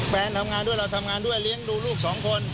แฟนทำงานด้วยเราทำงานด้วยเลี้ยงดูลูกสองคน